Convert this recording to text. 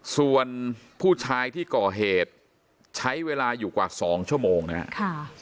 ส่วนผู้ชายที่ก่อเหตุใช้เวลาอยู่กว่า๒ชั่วโมงนะครับ